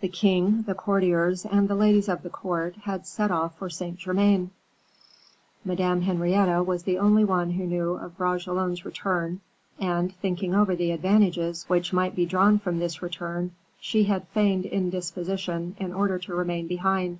The king, the courtiers, and the ladies of the court, had set off for Saint Germain; Madame Henrietta was the only one who knew of Bragelonne's return, and thinking over the advantages which might be drawn from this return, she had feigned indisposition in order to remain behind.